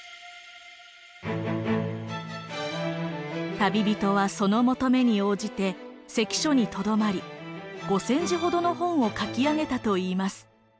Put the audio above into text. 旅人はその求めに応じて関所にとどまり５，０００字ほどの本を書き上げたといいます。